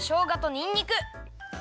にんにく。